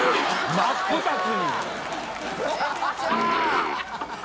真っ二つ。